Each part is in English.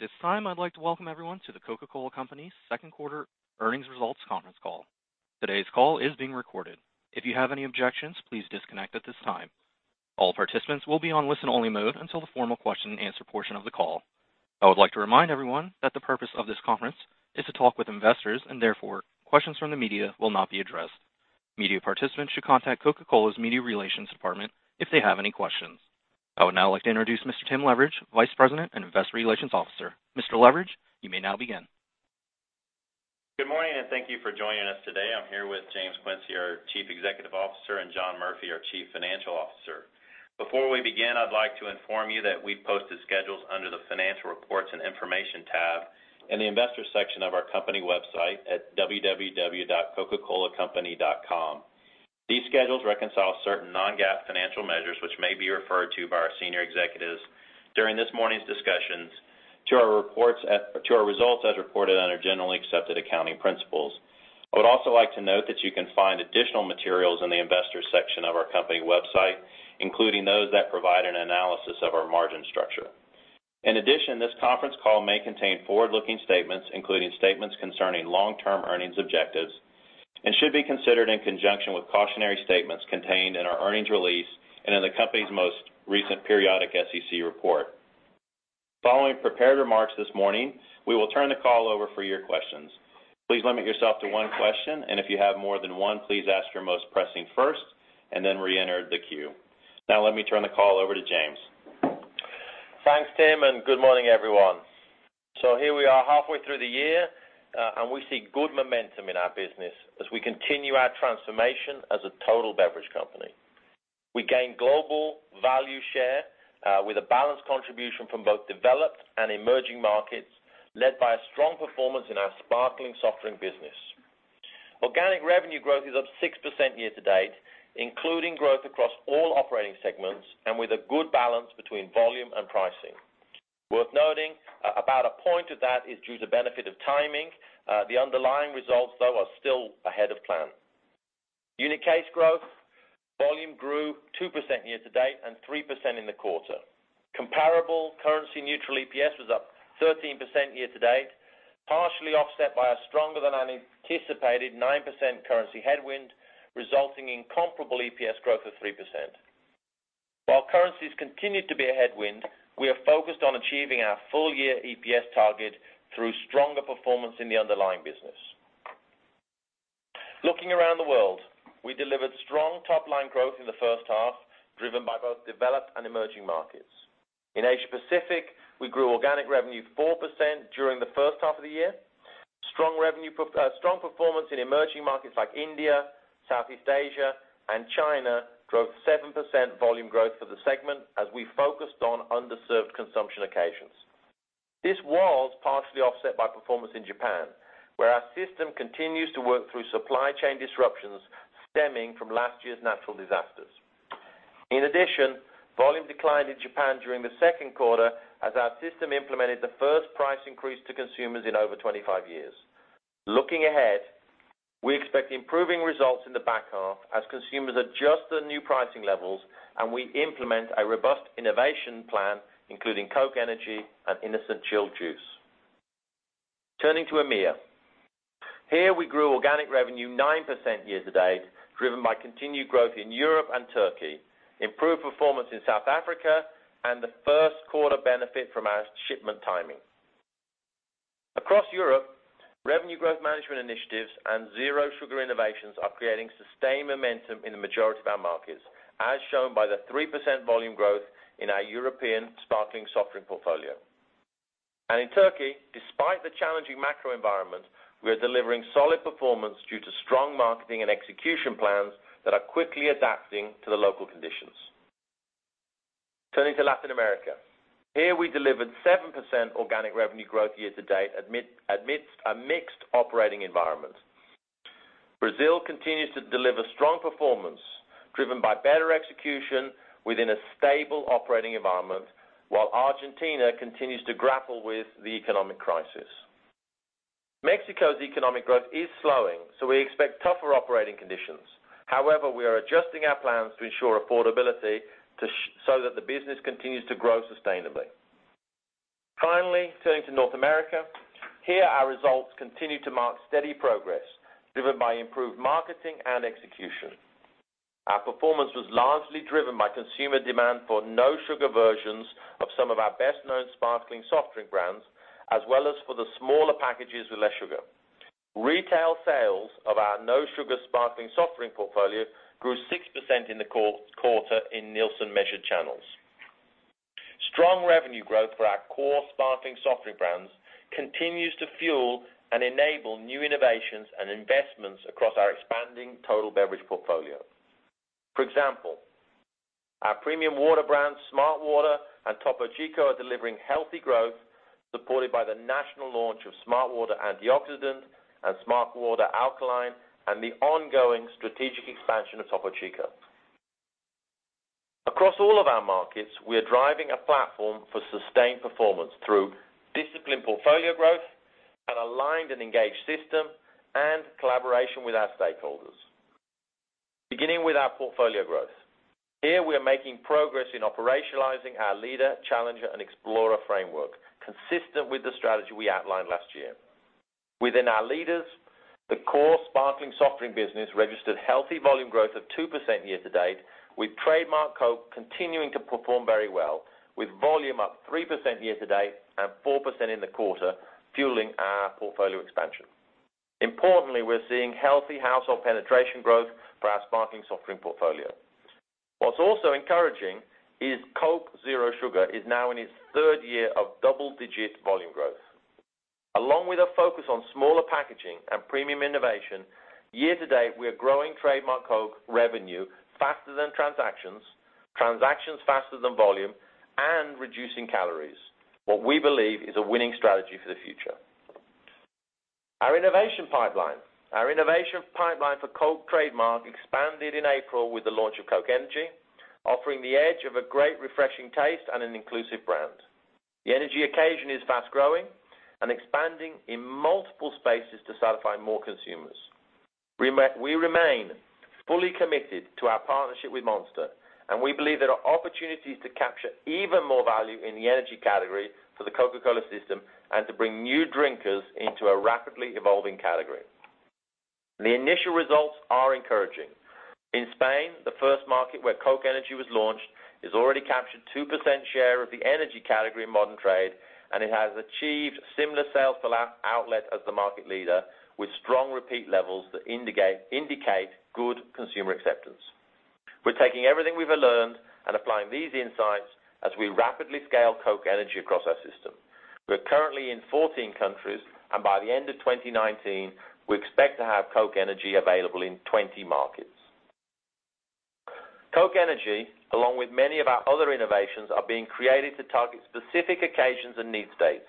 This time, I'd like to welcome everyone to The Coca-Cola Company's second quarter earnings results conference call. Today's call is being recorded. If you have any objections, please disconnect at this time. All participants will be on listen-only mode until the formal question-and-answer portion of the call. I would like to remind everyone that the purpose of this conference is to talk with investors, and therefore, questions from the media will not be addressed. Media participants should contact Coca-Cola's Media Relations department if they have any questions. I would now like to introduce Mr. Tim Leveridge, Vice President and Investor Relations Officer. Mr. Leveridge, you may now begin. Good morning, and thank you for joining us today. I'm here with James Quincey, our Chief Executive Officer, and John Murphy, our Chief Financial Officer. Before we begin, I'd like to inform you that we've posted schedules under the Financial Reports and information tab in the Investor section of our company website at www.coca-colacompany.com. These schedules reconcile certain non-GAAP financial measures which may be referred to by our senior executives during this morning's discussions to our results as reported under generally accepted accounting principles. I would also like to note that you can find additional materials in the Investor section of our company website, including those that provide an analysis of our margin structure. In addition, this conference call may contain forward-looking statements, including statements concerning long-term earnings objectives, and should be considered in conjunction with cautionary statements contained in our earnings release and in the company's most recent periodic SEC report. Following prepared remarks this morning, we will turn the call over for your questions. Please limit yourself to one question, and if you have more than one, please ask your most pressing first and then reenter the queue. Now, let me turn the call over to James. Thanks, Tim. Good morning, everyone. Here we are, halfway through the year. We see good momentum in our business as we continue our transformation as a total beverage company. We gained global value share, with a balanced contribution from both developed and emerging markets, led by a strong performance in our sparkling soft drink business. Organic revenue growth is up 6% year-to-date, including growth across all operating segments and with a good balance between volume and pricing. Worth noting, about a point of that is due to benefit of timing. The underlying results, though, are still ahead of plan. Unit case growth. Volume grew 2% year-to-date and 3% in the quarter. Comparable currency neutral EPS was up 13% year-to-date, partially offset by a stronger-than-anticipated 9% currency headwind, resulting in comparable EPS growth of 3%. While currencies continued to be a headwind, we are focused on achieving our full year EPS target through stronger performance in the underlying business. Looking around the world, we delivered strong top-line growth in the first half, driven by both developed and emerging markets. In Asia-Pacific, we grew organic revenue 4% during the first half of the year. Strong performance in emerging markets like India, Southeast Asia, and China drove 7% volume growth for the segment as we focused on underserved consumption occasions. This was partially offset by performance in Japan, where our system continues to work through supply chain disruptions stemming from last year's natural disasters. In addition, volume declined in Japan during the second quarter as our system implemented the first price increase to consumers in over 25 years. Looking ahead, we expect improving results in the back half as consumers adjust to the new pricing levels and we implement a robust innovation plan, including Coke Energy and Innocent Chilled Juice. Turning to EMEA. Here, we grew organic revenue 9% year-to-date, driven by continued growth in Europe and Turkey, improved performance in South Africa, and the first quarter benefit from our shipment timing. Across Europe, revenue growth management initiatives and Zero Sugar innovations are creating sustained momentum in the majority of our markets, as shown by the 3% volume growth in our European sparkling soft drink portfolio. In Turkey, despite the challenging macro environment, we are delivering solid performance due to strong marketing and execution plans that are quickly adapting to the local conditions. Turning to Latin America. Here, we delivered 7% organic revenue growth year-to-date amidst a mixed operating environment. Brazil continues to deliver strong performance, driven by better execution within a stable operating environment, while Argentina continues to grapple with the economic crisis. Mexico's economic growth is slowing, so we expect tougher operating conditions. However, we are adjusting our plans to ensure affordability so that the business continues to grow sustainably. Finally, turning to North America. Here, our results continue to mark steady progress driven by improved marketing and execution. Our performance was largely driven by consumer demand for No Sugar versions of some of our best-known sparkling soft drink brands, as well as for the smaller packages with less sugar. Retail sales of our No Sugar sparkling soft drink portfolio grew 6% in the quarter in Nielsen-measured channels. Strong revenue growth for our core sparkling soft drink brands continues to fuel and enable new innovations and investments across our expanding total beverage portfolio. For example, our premium water brands smartwater and Topo Chico are delivering healthy growth, supported by the national launch of smartwater antioxidant and smartwater alkaline, and the ongoing strategic expansion of Topo Chico. Across all of our markets, we are driving a platform for sustained performance through disciplined portfolio growth, an aligned and engaged system, and collaboration with our stakeholders. Beginning with our portfolio growth. Here, we are making progress in operationalizing our leader, challenger, and explorer framework, consistent with the strategy we outlined last year. Within our leaders, the core sparkling soft drink business registered healthy volume growth of 2% year-to-date, with trademark Coke continuing to perform very well, with volume up 3% year-to-date and 4% in the quarter, fueling our portfolio expansion. Importantly, we're seeing healthy household penetration growth for our sparkling soft drink portfolio. What's also encouraging is Coke Zero Sugar is now in its third year of double-digit volume growth. Along with a focus on smaller packaging and premium innovation, year-to-date, we are growing trademark Coke revenue faster than transactions faster than volume, and reducing calories. What we believe is a winning strategy for the future. Our innovation pipeline. Our innovation pipeline for Coke trademark expanded in April with the launch of Coke Energy, offering the edge of a great refreshing taste and an inclusive brand. The energy occasion is fast-growing and expanding in multiple spaces to satisfy more consumers. We remain fully committed to our partnership with Monster, and we believe there are opportunities to capture even more value in the energy category for the Coca-Cola system and to bring new drinkers into a rapidly evolving category. The initial results are encouraging. In Spain, the first market where Coke Energy was launched, has already captured 2% share of the energy category in modern trade, and it has achieved similar sales per outlet as the market leader, with strong repeat levels that indicate good consumer acceptance. We're taking everything we've learned and applying these insights as we rapidly scale Coke Energy across our system. We're currently in 14 countries, and by the end of 2019, we expect to have Coke Energy available in 20 markets. Coke Energy, along with many of our other innovations, are being created to target specific occasions and need states,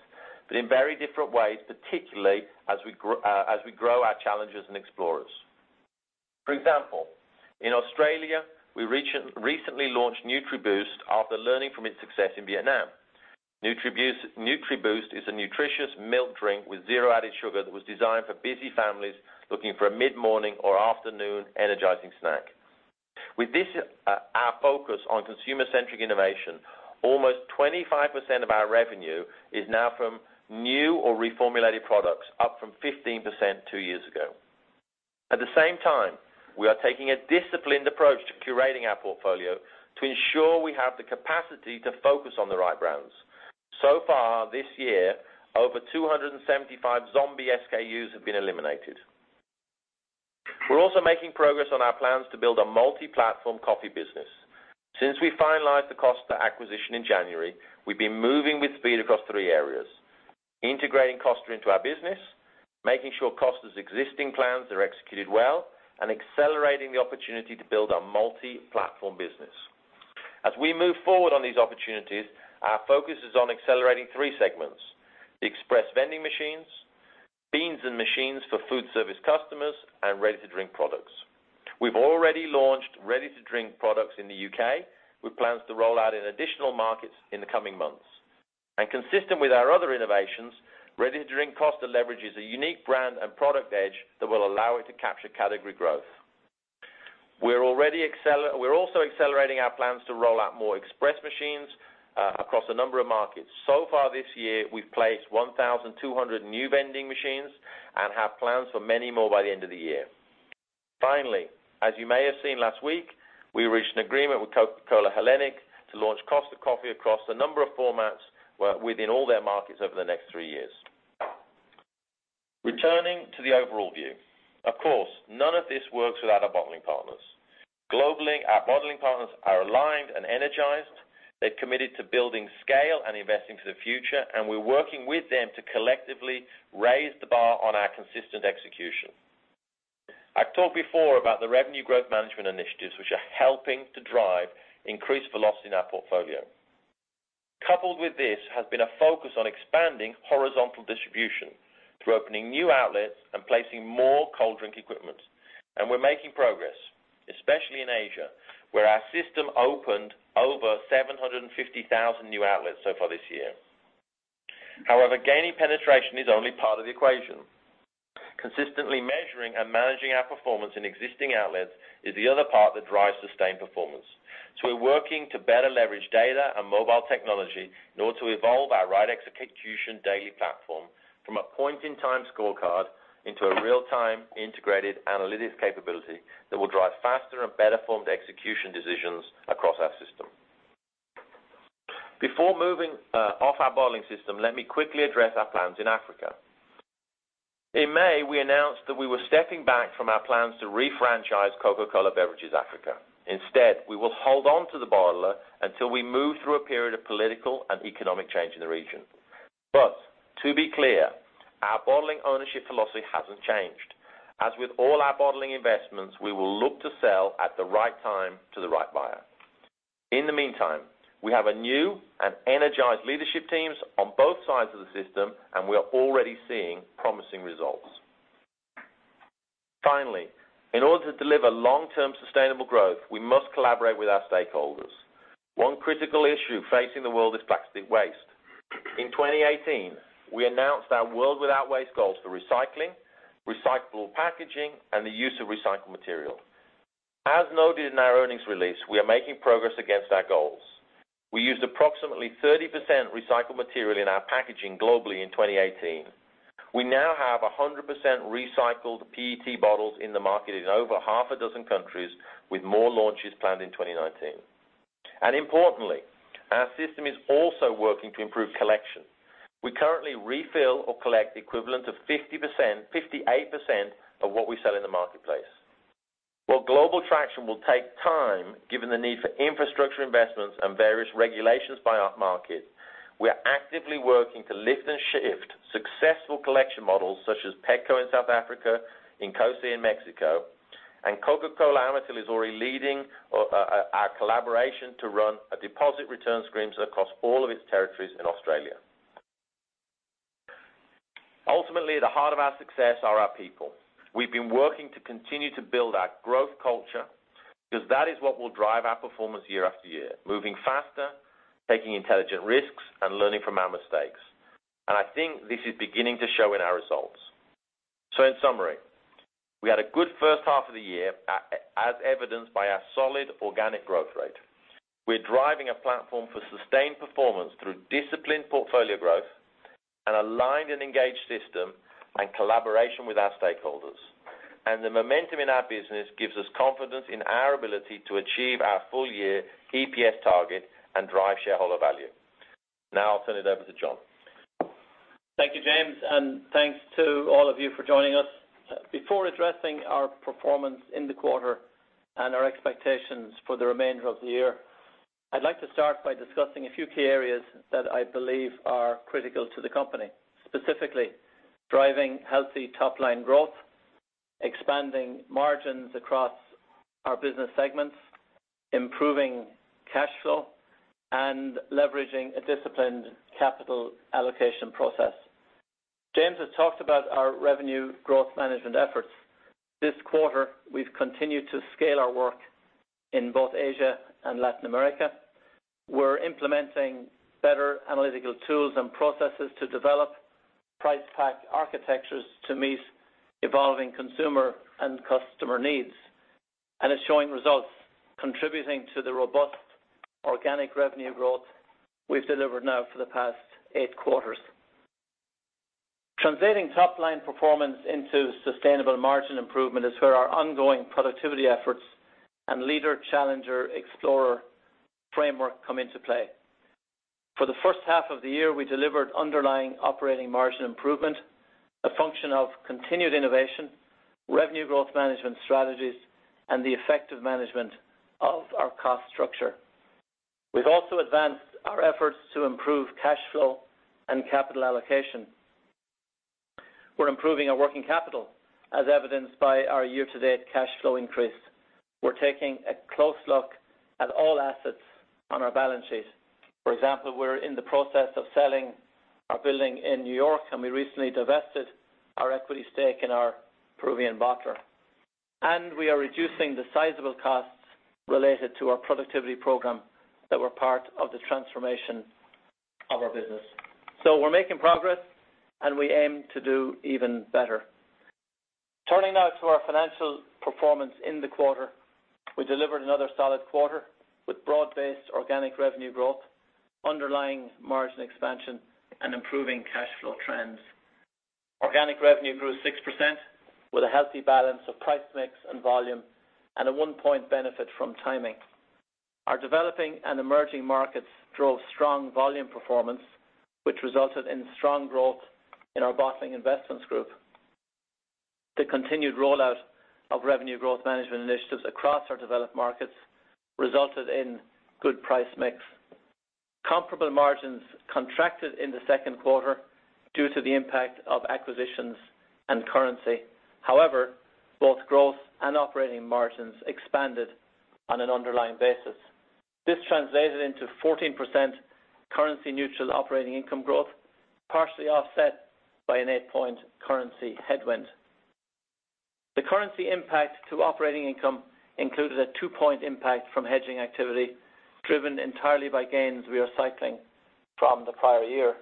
but in very different ways, particularly as we grow our challengers and explorers. For example, in Australia, we recently launched NutriBoost after learning from its success in Vietnam. NutriBoost is a nutritious milk drink with zero added sugar that was designed for busy families looking for a mid-morning or afternoon energizing snack. With this, our focus on consumer-centric innovation, almost 25% of our revenue is now from new or reformulated products, up from 15% two years ago. At the same time, we are taking a disciplined approach to curating our portfolio to ensure we have the capacity to focus on the right brands. So far this year, over 275 zombie SKUs have been eliminated. We're also making progress on our plans to build a multi-platform coffee business. Since we finalized the Costa acquisition in January, we've been moving with speed across three areas, integrating Costa into our business, making sure Costa's existing plans are executed well, and accelerating the opportunity to build our multi-platform business. As we move forward on these opportunities, our focus is on accelerating three segments, the express vending machines, beans and machines for food service customers, and ready-to-drink products. We've already launched ready-to-drink products in the U.K., with plans to roll out in additional markets in the coming months. Consistent with our other innovations, ready-to-drink Costa leverage is a unique brand and product edge that will allow it to capture category growth. We're also accelerating our plans to roll out more express machines across a number of markets. So far this year, we've placed 1,200 new vending machines and have plans for many more by the end of the year. Finally, as you may have seen last week, we reached an agreement with Coca-Cola Hellenic to launch Costa Coffee across a number of formats within all their markets over the next three years. Returning to the overall view. Of course, none of this works without our bottling partners. Globally, our bottling partners are aligned and energized. They've committed to building scale and investing for the future, and we're working with them to collectively raise the bar on our consistent execution. I've talked before about the revenue growth management initiatives, which are helping to drive increased velocity in our portfolio. Coupled with this has been a focus on expanding horizontal distribution through opening new outlets and placing more cold drink equipment. We're making progress, especially in Asia, where our system opened over 750,000 new outlets so far this year. However, gaining penetration is only part of the equation. Consistently measuring and managing our performance in existing outlets is the other part that drives sustained performance. We're working to better leverage data and mobile technology in order to evolve our Right Execution Daily platform from a point-in-time scorecard into a real-time integrated analytics capability that will drive faster and better-formed execution decisions across our system. Before moving off our bottling system, let me quickly address our plans in Africa. In May, we announced that we were stepping back from our plans to refranchise Coca-Cola Beverages Africa. Instead, we will hold on to the bottler until we move through a period of political and economic change in the region. To be clear, our bottling ownership philosophy hasn't changed. As with all our bottling investments, we will look to sell at the right time to the right buyer. In the meantime, we have a new and energized leadership teams on both sides of the system, and we are already seeing promising results. Finally, in order to deliver long-term sustainable growth, we must collaborate with our stakeholders. One critical issue facing the world is plastic waste. In 2018, we announced our World Without Waste goals for recycling, recyclable packaging, and the use of recycled material. As noted in our earnings release, we are making progress against our goals. We used approximately 30% recycled material in our packaging globally in 2018. We now have 100% recycled PET bottles in the market in over half a dozen countries, with more launches planned in 2019. Importantly, our system is also working to improve collection. We currently refill or collect the equivalent of 58% of what we sell in the marketplace. While global traction will take time, given the need for infrastructure investments and various regulations by our market, we are actively working to lift and shift successful collection models, such as PETCO in South Africa, ECOCE in Mexico, and Coca-Cola Amatil is already leading our collaboration to run a deposit return scheme across all of its territories in Australia. Ultimately, at the heart of our success are our people. We've been working to continue to build our growth culture because that is what will drive our performance year-after-year, moving faster, taking intelligent risks, and learning from our mistakes. I think this is beginning to show in our results. In summary, we had a good first half of the year as evidenced by our solid organic growth rate. We're driving a platform for sustained performance through disciplined portfolio growth, an aligned and engaged system, and collaboration with our stakeholders. The momentum in our business gives us confidence in our ability to achieve our full-year EPS target and drive shareholder value. Now I'll turn it over to John. Thank you, James, and thanks to all of you for joining us. Before addressing our performance in the quarter and our expectations for the remainder of the year, I'd like to start by discussing a few key areas that I believe are critical to the company. Specifically, driving healthy top-line growth, expanding margins across our business segments, improving cash flow, and leveraging a disciplined capital allocation process. James has talked about our revenue growth management efforts. This quarter, we've continued to scale our work in both Asia and Latin America. We're implementing better analytical tools and processes to develop price-pack architectures to meet evolving consumer and customer needs, and it's showing results, contributing to the robust organic revenue growth we've delivered now for the past eight quarters. Translating top-line performance into sustainable margin improvement is where our ongoing productivity efforts and leader-challenger-explorer framework come into play. For the first half of the year, we delivered underlying operating margin improvement, a function of continued innovation, revenue growth management strategies, and the effective management of our cost structure. We've also advanced our efforts to improve cash flow and capital allocation. We're improving our working capital, as evidenced by our year-to-date cash flow increase. We're taking a close look at all assets on our balance sheet. For example, we're in the process of selling our building in New York, and we recently divested our equity stake in our Peruvian bottler. We are reducing the sizable costs related to our productivity program that were part of the transformation of our business. We're making progress, and we aim to do even better. Turning now to our financial performance in the quarter. We delivered another solid quarter with broad-based organic revenue growth, underlying margin expansion, and improving cash flow trends. Organic revenue grew 6% with a healthy balance of price mix and volume and a 1-point benefit from timing. Our developing and emerging markets drove strong volume performance, which resulted in strong growth in our Bottling Investments Group. The continued rollout of revenue growth management initiatives across our developed markets resulted in good price mix. Comparable margins contracted in the second quarter due to the impact of acquisitions and currency. Both growth and operating margins expanded on an underlying basis. This translated into 14% currency-neutral operating income growth, partially offset by an 8-point currency headwind. The currency impact to operating income included a 2-point impact from hedging activity, driven entirely by gains we are cycling from the prior year.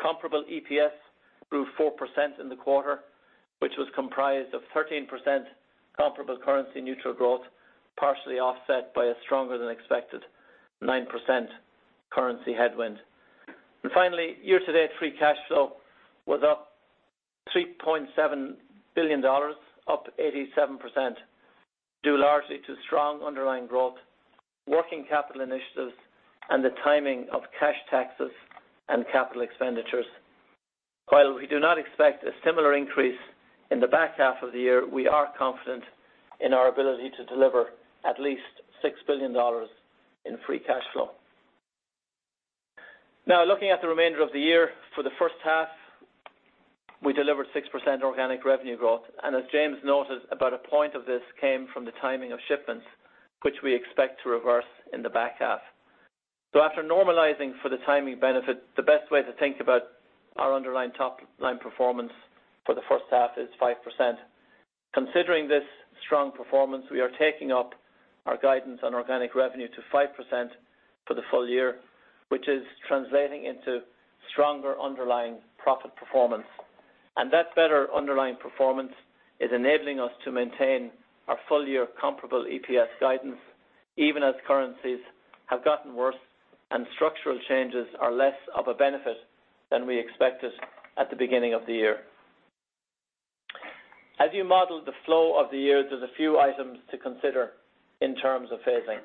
Comparable EPS grew 4% in the quarter, which was comprised of 13% comparable currency-neutral growth, partially offset by a stronger-than-expected 9% currency headwind. Finally, year-to-date free cash flow was up $3.7 billion, up 87%, due largely to strong underlying growth, working capital initiatives, and the timing of cash taxes and capital expenditures. While we do not expect a similar increase in the back half of the year, we are confident in our ability to deliver at least $6 billion in free cash flow. Now, looking at the remainder of the year, for the first half, we delivered 6% organic revenue growth. As James noted, about one point of this came from the timing of shipments, which we expect to reverse in the back half. After normalizing for the timing benefit, the best way to think about our underlying top-line performance for the first half is 5%. Considering this strong performance, we are taking up our guidance on organic revenue to 5% for the full year, which is translating into stronger underlying profit performance. That better underlying performance is enabling us to maintain our full-year comparable EPS guidance, even as currencies have gotten worse and structural changes are less of a benefit than we expected at the beginning of the year. As you model the flow of the year, there's a few items to consider in terms of phasing.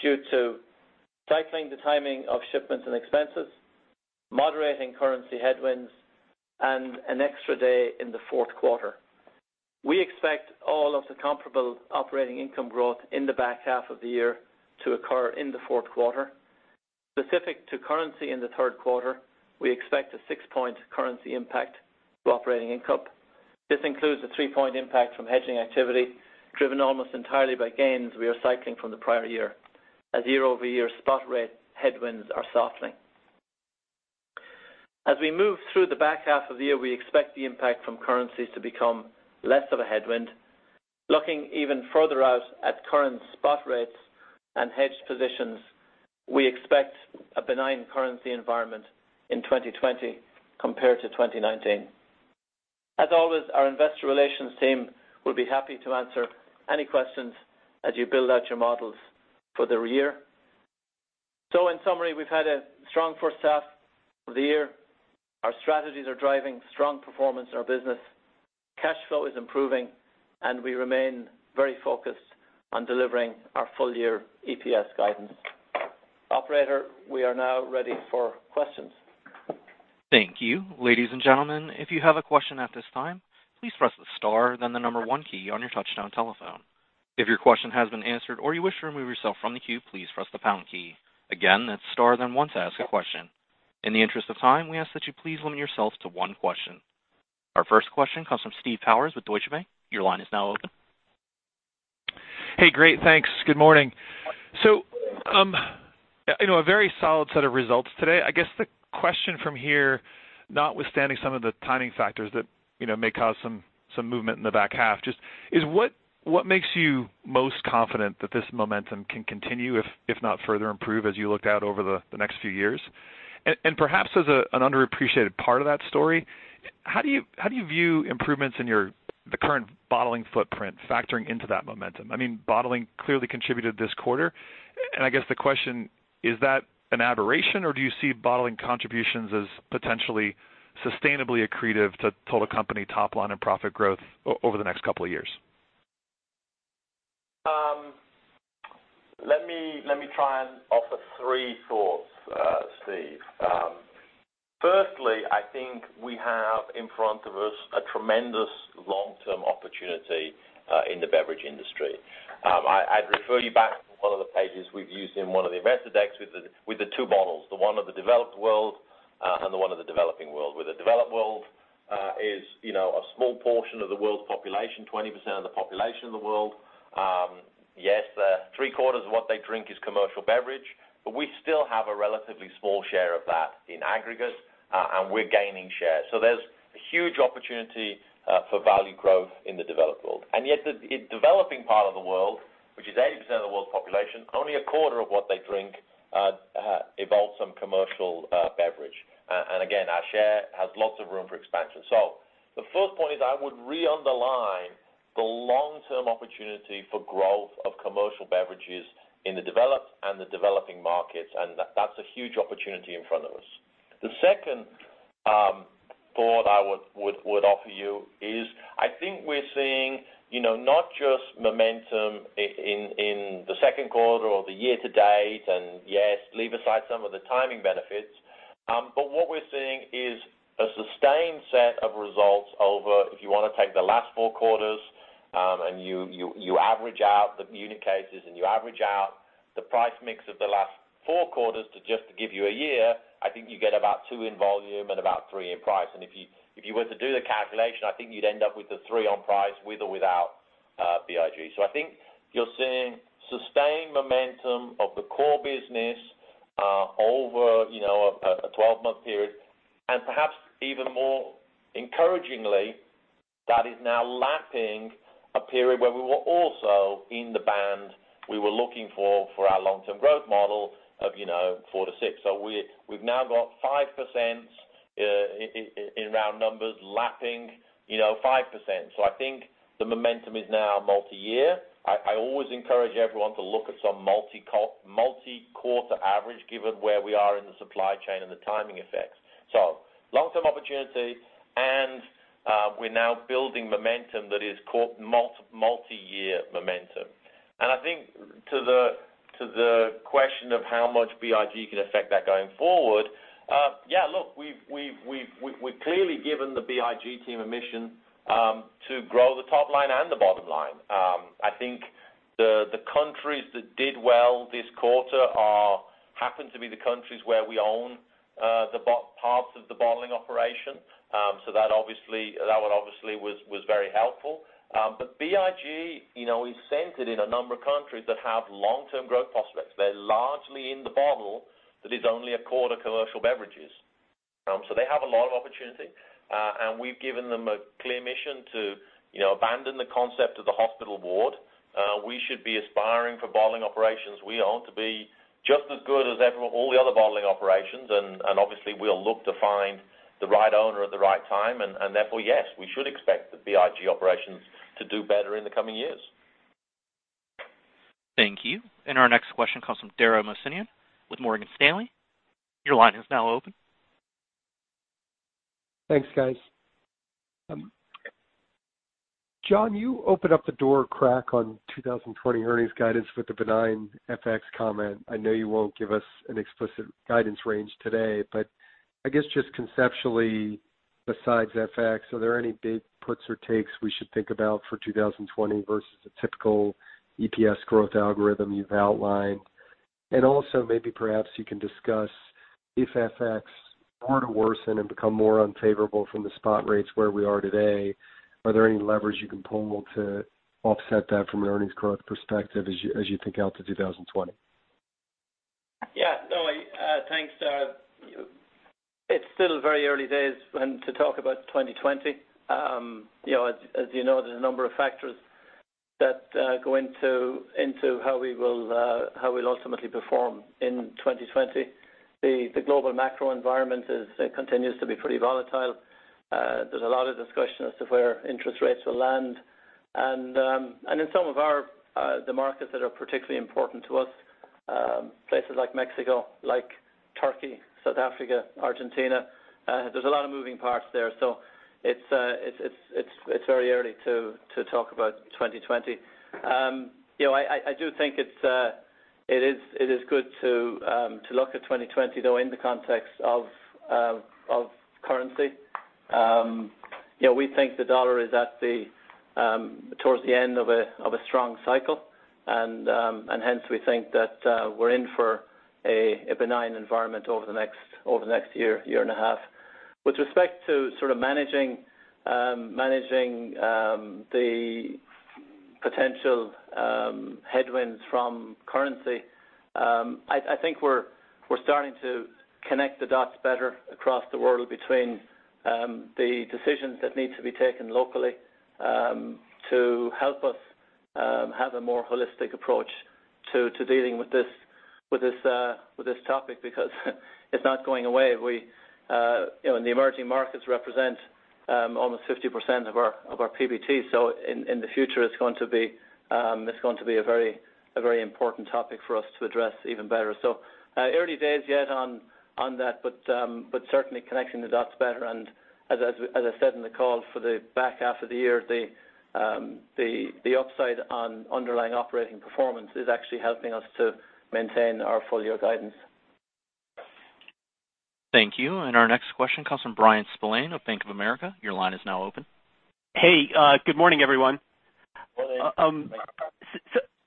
Due to cycling the timing of shipments and expenses, moderating currency headwinds, and an extra day in the fourth quarter, we expect all of the comparable operating income growth in the back half of the year to occur in the fourth quarter. Specific to currency in the third quarter, we expect a 6-point currency impact to operating income. This includes a 3-point impact from hedging activity, driven almost entirely by gains we are cycling from the prior year, as year-over-year spot rate headwinds are softening. As we move through the back half of the year, we expect the impact from currencies to become less of a headwind. Looking even further out at current spot rates and hedged positions, we expect a benign currency environment in 2020 compared to 2019. As always, our Investor Relations team will be happy to answer any questions as you build out your models for the year. In summary, we've had a strong first half of the year. Our strategies are driving strong performance in our business. Cash flow is improving, and we remain very focused on delivering our full-year EPS guidance. Operator, we are now ready for questions. Thank you. Ladies and gentlemen, if you have a question at this time, please press the star then the number one key on your touch-tone telephone. If your question has been answered or you wish to remove yourself from the queue, please press the pound key. Again, that's star then one to ask a question. In the interest of time, we ask that you please limit yourself to one question. Our first question comes from Steve Powers with Deutsche Bank. Your line is now open. Hey, great. Thanks. Good morning. A very solid set of results today. I guess the question from here, notwithstanding some of the timing factors that may cause some movement in the back half, just is what makes you most confident that this momentum can continue, if not further improve, as you looked out over the next few years? Perhaps as an underappreciated part of that story, how do you view improvements in the current bottling footprint factoring into that momentum? Bottling clearly contributed this quarter, and I guess the question, is that an aberration, or do you see bottling contributions as potentially sustainably accretive to total company top line and profit growth over the next couple of years? Let me try and offer three thoughts, Steve. Firstly, I think we have in front of us a tremendous long-term opportunity in the beverage industry. I'd refer you back to one of the pages we've used in one of the investor decks with the two bottles, the one of the developed world, and the one of the developing world. The developed world is a small portion of the world's population, 20% of the population of the world. Yes, 3/4 of what they drink is commercial beverage. We still have a relatively small share of that in aggregate. We're gaining share. There's a huge opportunity for value growth in the developed world. The developing part of the world, which is 80% of the world's population, only 1/4 of what they drink involves some commercial beverage. Again, our share has lots of room for expansion. The first point is I would re-underline the long-term opportunity for growth of commercial beverages in the developed and the developing markets, and that's a huge opportunity in front of us. The second thought I would offer you is I think we're seeing not just momentum in the second quarter or the year-to-date, and yes, leave aside some of the timing benefits. What we're seeing is a sustained set of results over, if you want to take the last four quarters, and you average out the unit cases, and you average out the price/mix of the last four quarters to just give you a year, I think you get about two in volume and about three in price. If you were to do the calculation, I think you'd end up with the three on price with or without BIG. I think you're seeing sustained momentum of the core business over a 12-month period. Perhaps even more encouragingly, that is now lapping a period where we were also in the band we were looking for our long-term growth model of four to six. We've now got 5% in round numbers lapping 5%. I think the momentum is now multi-year. I always encourage everyone to look at some multi-quarter average given where we are in the supply chain and the timing effects. Long-term opportunity, and we're now building momentum that is multi-year momentum. I think to the question of how much BIG can affect that going forward, yeah, look, we've clearly given the BIG team a mission to grow the top line and the bottom line. I think the countries that did well this quarter happen to be the countries where we own the parts of the bottling operation. That obviously was very helpful. BIG is centered in a number of countries that have long-term growth prospects. They're largely in the bottle that is only 1/4 commercial beverages. They have a lot of opportunity, and we've given them a clear mission to abandon the concept of the hospital ward. We should be aspiring for bottling operations we own to be just as good as all the other bottling operations, and obviously, we'll look to find the right owner at the right time. Therefore, yes, we should expect the BIG operations to do better in the coming years. Thank you. Our next question comes from Dara Mohsenian with Morgan Stanley. Your line is now open. Thanks, guys. John, you opened up the door a crack on 2020 earnings guidance with the benign FX comment. I guess just conceptually, besides FX, are there any big puts or takes we should think about for 2020 versus the typical EPS growth algorithm you've outlined? Also, maybe perhaps you can discuss if FX were to worsen and become more unfavorable from the spot rates where we are today, are there any levers you can pull to offset that from an earnings growth perspective as you think out to 2020? Yeah. No, thanks, Dara. It's still very early days to talk about 2020. As you know, there's a number of factors that go into how we'll ultimately perform in 2020. The global macro environment continues to be pretty volatile. There's a lot of discussion as to where interest rates will land. In some of the markets that are particularly important to us, places like Mexico, like Turkey, South Africa, Argentina, there's a lot of moving parts there. It's very early to talk about 2020. I do think it is good to look at 2020, though, in the context of currency. We think the dollar is towards the end of a strong cycle, and hence we think that we're in for a benign environment over the next year and a half. With respect to managing the potential headwinds from currency, I think we're starting to connect the dots better across the world between the decisions that need to be taken locally to help us have a more holistic approach to dealing with this topic, because it's not going away. The emerging markets represent almost 50% of our PBT. In the future, it's going to be a very important topic for us to address even better. Early days yet on that, but certainly connecting the dots better. As I said in the call, for the back half of the year, the upside on underlying operating performance is actually helping us to maintain our full-year guidance. Thank you. Our next question comes from Bryan Spillane of Bank of America. Your line is now open. Hey, good morning, everyone. Morning.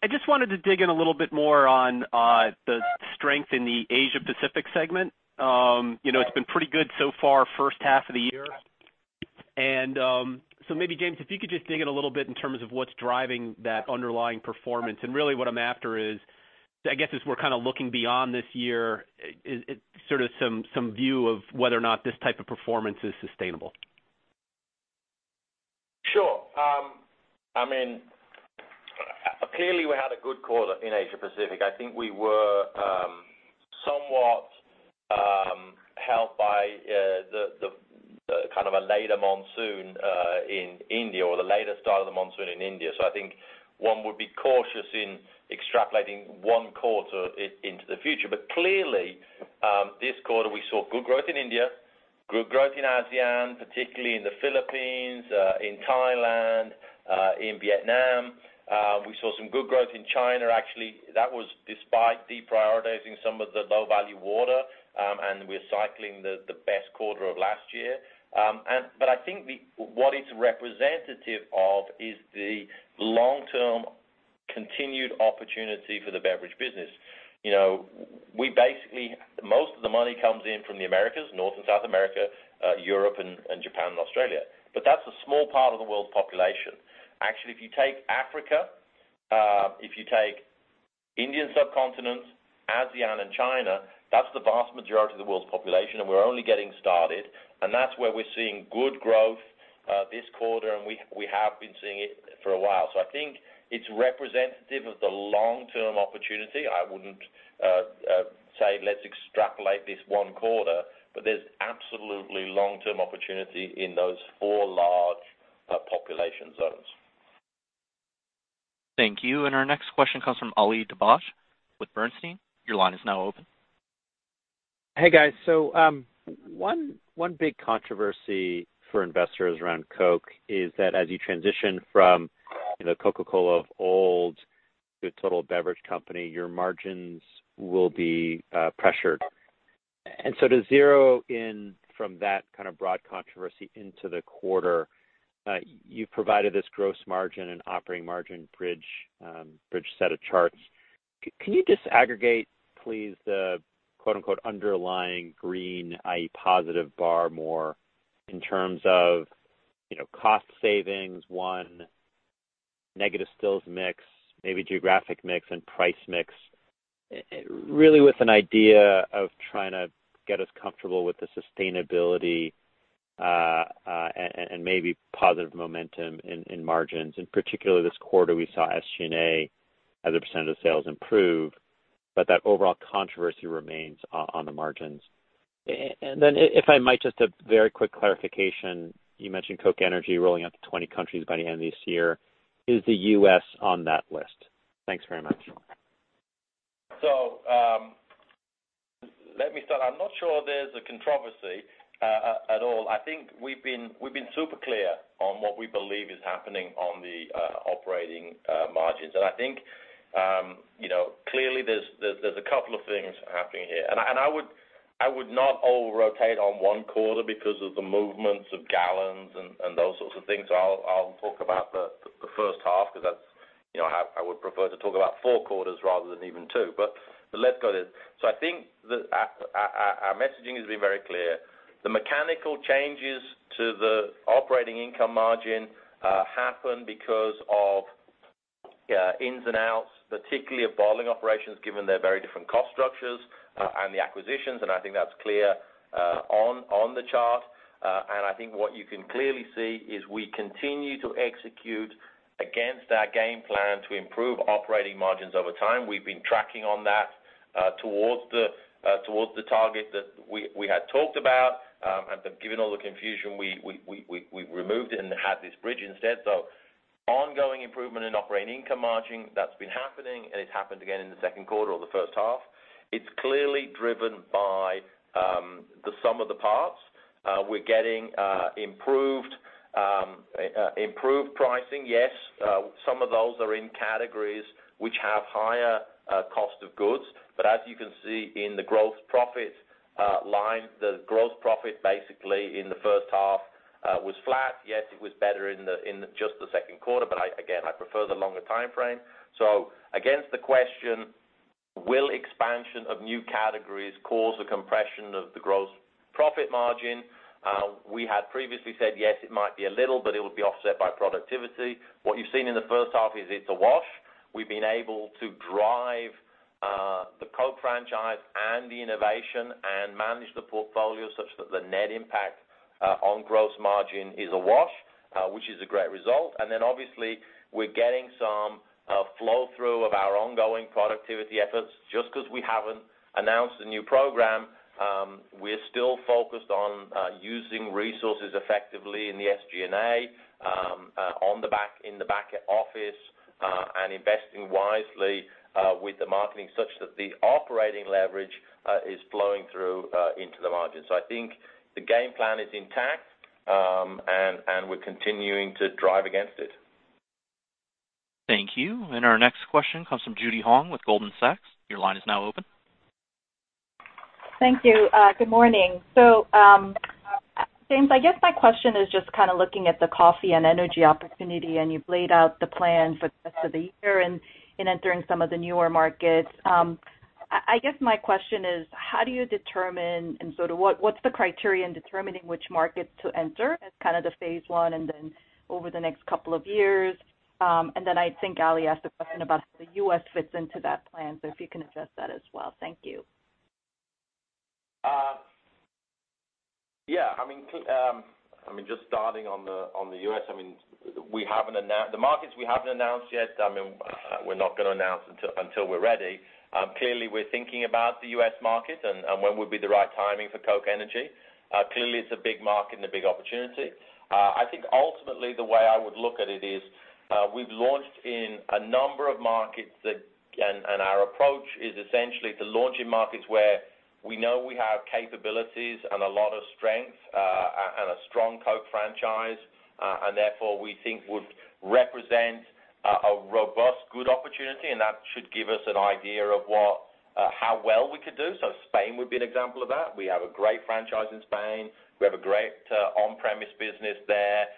I just wanted to dig in a little bit more on the strength in the Asia-Pacific segment. It's been pretty good so far, first half of the year. Maybe James, if you could just dig in a little bit in terms of what's driving that underlying performance. Really what I'm after is, I guess, as we're kind of looking beyond this year, sort of some view of whether or not this type of performance is sustainable. Clearly, we had a good quarter in Asia-Pacific. I think we were somewhat helped by kind of a later monsoon in India, or the later start of the monsoon in India. I think one would be cautious in extrapolating one quarter into the future. Clearly, this quarter, we saw good growth in India, good growth in ASEAN, particularly in the Philippines, in Thailand, in Vietnam. We saw some good growth in China, actually. That was despite deprioritizing some of the low-value water, and we're cycling the best quarter of last year. I think what it's representative of is the long-term continued opportunity for the beverage business. Most of the money comes in from the Americas, North and South America, Europe, and Japan and Australia. That's a small part of the world population. Actually, if you take Africa, if you take Indian subcontinent, ASEAN, and China, that's the vast majority of the world's population, and we're only getting started. That's where we're seeing good growth this quarter, and we have been seeing it for a while. I think it's representative of the long-term opportunity. I wouldn't say let's extrapolate this one quarter, but there's absolutely long-term opportunity in those four large population zones. Thank you. Our next question comes from Ali Dibadj with Bernstein. Your line is now open. Hey, guys. One big controversy for investors around Coke is that as you transition from the Coca-Cola of old to a total beverage company, your margins will be pressured. To zero in from that kind of broad controversy into the quarter, you've provided this gross margin and operating margin bridge set of charts. Can you disaggregate, please, the "underlying green," i.e. positive bar more in terms of cost savings, one, negative stills mix, maybe geographic mix and price mix, really with an idea of trying to get us comfortable with the sustainability, and maybe positive momentum in margins. In particular this quarter, we saw SG&A as a % of sales improve, but that overall controversy remains on the margins. If I might, just a very quick clarification. You mentioned Coke Energy rolling out to 20 countries by the end of this year. Is the U.S. on that list? Thanks very much. Let me start. I'm not sure there's a controversy at all. I think we've been super clear on what we believe is happening on the operating margins. I think, clearly there's a couple of things happening here. I would not over-rotate on one quarter because of the movements of gallons and those sorts of things. I'll talk about the first half because I would prefer to talk about four quarters rather than even two, but let's go there. I think that our messaging has been very clear. The mechanical changes to the operating income margin, happen because of ins and outs, particularly of bottling operations, given their very different cost structures, and the acquisitions, and I think that's clear on the chart. I think what you can clearly see is we continue to execute against our game plan to improve operating margins over time. We've been tracking on that towards the target that we had talked about. Given all the confusion, we removed it and had this bridge instead. Ongoing improvement in operating income margin, that's been happening, and it's happened again in the second quarter or the first half. It's clearly driven by the sum of the parts. We're getting improved pricing. Yes, some of those are in categories which have higher cost of goods. As you can see in the gross profit line, the gross profit basically in the first half was flat. Yes, it was better in just the second quarter, but again, I prefer the longer timeframe. Against the question, will expansion of new categories cause a compression of the gross profit margin? We had previously said yes, it might be a little, but it would be offset by productivity. What you've seen in the first half is it's a wash. We've been able to drive the Coke franchise and the innovation and manage the portfolio such that the net impact on gross margin is a wash, which is a great result. Obviously we're getting some flow-through of our ongoing productivity efforts. Just because we haven't announced a new program, we're still focused on using resources effectively in the SG&A, in the back office, and investing wisely with the marketing such that the operating leverage is flowing through into the margin. I think the game plan is intact, and we're continuing to drive against it. Thank you. Our next question comes from Judy Hong with Goldman Sachs. Your line is now open. Thank you. Good morning. James, I guess my question is just looking at the coffee and energy opportunity, and you've laid out the plan for the rest of the year and entering some of the newer markets. I guess my question is, how do you determine, and what's the criteria in determining which markets to enter as the phase one and then over the next couple of years? I think Ali asked a question about how the U.S. fits into that plan, so if you can address that as well. Thank you. Yeah. Just starting on the U.S., the markets we haven't announced yet, we're not going to announce until we're ready. Clearly we're thinking about the U.S. market and when would be the right timing for Coke Energy. Clearly, it's a big market and a big opportunity. I think ultimately the way I would look at it is, we've launched in a number of markets, and our approach is essentially to launch in markets where we know we have capabilities and a lot of strength, and a strong Coke franchise. Therefore, we think would represent a robust, good opportunity, and that should give us an idea of how well we could do. Spain would be an example of that. We have a great franchise in Spain. We have a great on-premise business there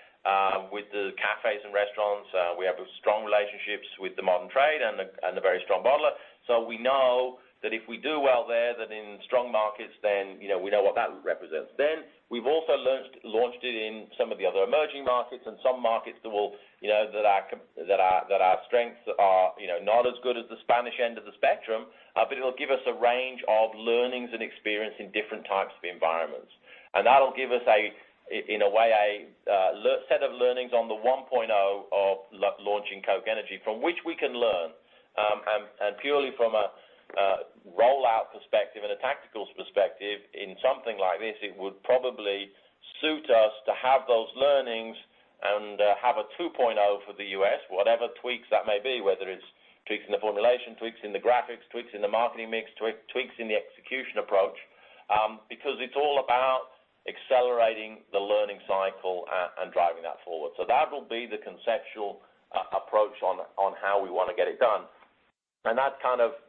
with the cafes and restaurants. We have strong relationships with the modern trade and a very strong bottler. We know that if we do well there, that in strong markets we know what that represents. We've also launched it in some of the other emerging markets and some markets that our strengths are not as good as the Spanish end of the spectrum. It'll give us a range of learnings and experience in different types of environments. That'll give us, in a way, a set of learnings on the 1.0 of launching Coke Energy from which we can learn. Purely from a rollout perspective and a tacticals perspective, in something like this, it would probably suit us to have those learnings and have a 2.0 for the U.S., whatever tweaks that may be, whether it's tweaks in the formulation, tweaks in the graphics, tweaks in the marketing mix, tweaks in the execution approach, because it's all about accelerating the learning cycle and driving that forward. That will be the conceptual approach on how we want to get it done. That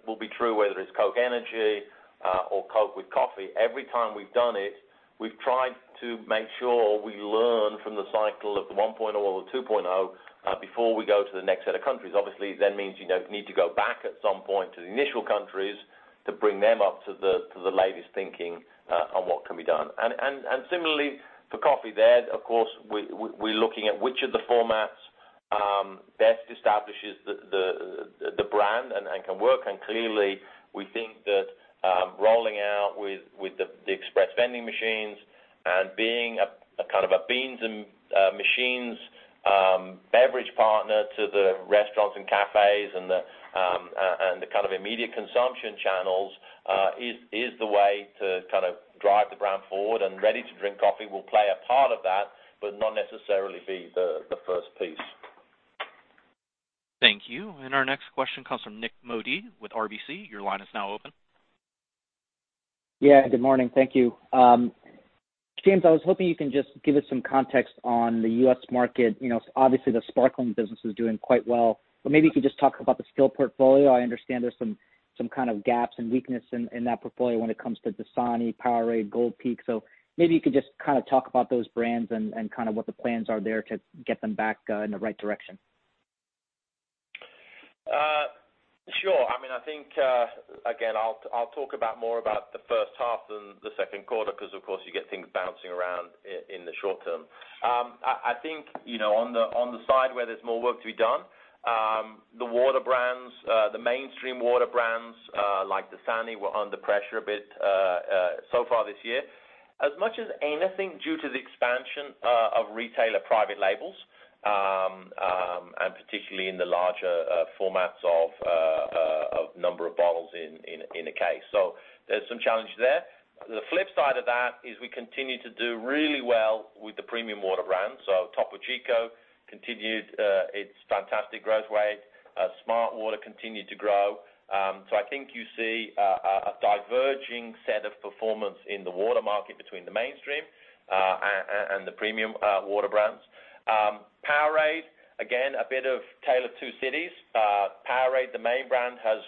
will be true whether it's Coke Energy or Coca-Cola with Coffee. Every time we've done it, we've tried to make sure we learn from the cycle of the 1.0 or the 2.0 before we go to the next set of countries. Obviously, that means you need to go back at some point to the initial countries to bring them up to the latest thinking on what can be done. Similarly for coffee there, of course, we're looking at which of the formats best establishes the brand and can work. Clearly, we think that rolling out with the express vending machines and being a kind of beans and machines beverage partner to the restaurants and cafes and the kind of immediate consumption channels, is the way to drive the brand forward, and ready-to-drink coffee will play a part of that, but not necessarily be the first piece. Thank you. Our next question comes from Nik Modi with RBC. Your line is now open. Good morning. Thank you. James, I was hoping you can just give us some context on the U.S. market. Obviously, the sparkling business is doing quite well, but maybe you could just talk about the still portfolio. I understand there's some kind of gaps and weakness in that portfolio when it comes to Dasani, POWERADE, Gold Peak. Maybe you could just talk about those brands and what the plans are there to get them back in the right direction. Sure. I think, again, I'll talk about more about the first half than the second quarter, because of course you get things bouncing around in the short term. I think, on the side where there's more work to be done, the mainstream water brands, like Dasani, were under pressure a bit so far this year. As much as anything due to the expansion of retailer private labels, and particularly in the larger formats of number of bottles in a case. There's some challenges there. The flip side of that is we continue to do really well with the premium water brands. Topo Chico continued its fantastic growth rate. smartwater continued to grow. I think you see a diverging set of performance in the water market between the mainstream and the premium water brands. POWERADE, again, a bit of Tale of Two Cities. POWERADE, the main brand, has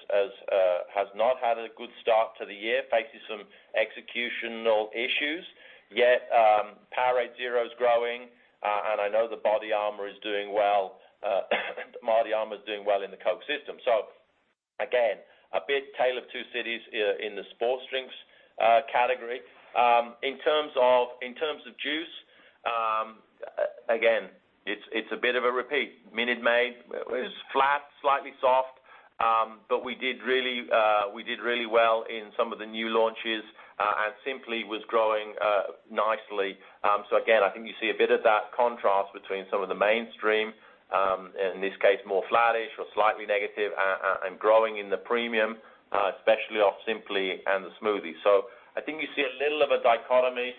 not had a good start to the year, faces some executional issues, yet POWERADE Zero is growing, and I know the BODYARMOR is doing well in the Coke system. Again, a bit Tale of Two Cities in the sports drinks category. In terms of juice, again, it's a bit of a repeat. Minute Maid is flat, slightly soft, but we did really well in some of the new launches, and Simply was growing nicely. Again, I think you see a bit of that contrast between some of the mainstream, in this case, more flattish or slightly negative, and growing in the premium, especially off Simply and the smoothies. I think you see a little of a dichotomy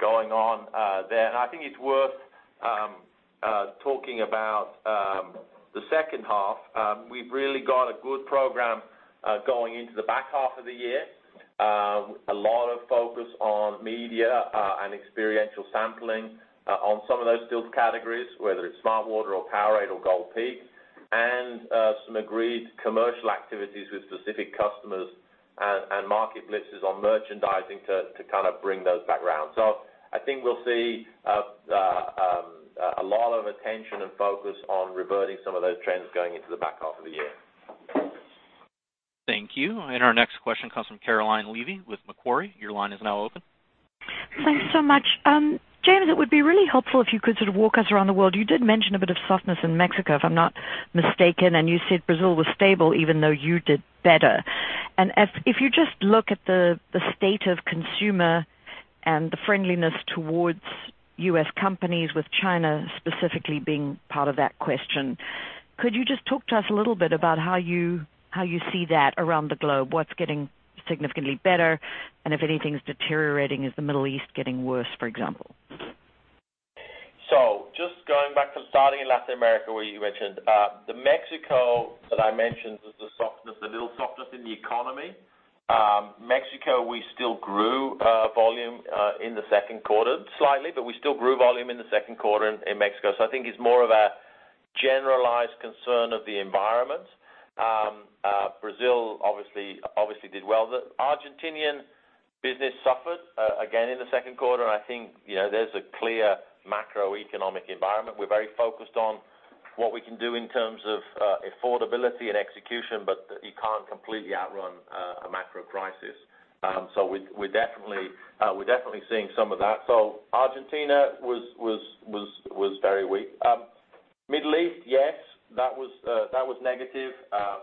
going on there. I think it's worth talking about the second half. We've really got a good program going into the back half of the year. A lot of focus on media and experiential sampling on some of those still categories, whether it's smartwater or POWERADE or Gold Peak, and some agreed commercial activities with specific customers and market lists on merchandising to kind of bring those back round. I think we'll see a lot of attention and focus on reverting some of those trends going into the back half of the year. Thank you. Our next question comes from Caroline Levy with Macquarie. Your line is now open. Thanks so much. James, it would be really helpful if you could sort of walk us around the world. You did mention a bit of softness in Mexico, if I'm not mistaken, and you said Brazil was stable even though you did better. If you just look at the state of consumer and the friendliness towards U.S. companies, with China specifically being part of that question, could you just talk to us a little bit about how you see that around the globe? What's getting significantly better, and if anything's deteriorating? Is the Middle East getting worse, for example? Just going back to starting in Latin America, where you mentioned. The Mexico that I mentioned, there's the little softness in the economy. Mexico, we still grew volume in the second quarter, slightly, but we still grew volume in the second quarter in Mexico. I think it's more of a generalized concern of the environment. Brazil obviously did well. The Argentinian business suffered again in the second quarter, and I think there's a clear macroeconomic environment. We're very focused on what we can do in terms of affordability and execution, but you can't completely outrun a macro crisis. We're definitely seeing some of that. Argentina was very weak. Middle East, yes, that was negative.